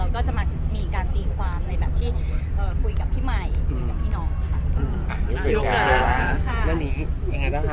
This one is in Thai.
ด้วยลงการครับเรื่องนี้เป็นยังไงต่อ